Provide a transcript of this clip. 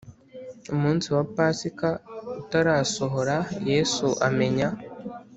Umunsi wa pasika utarasohora yesu amenya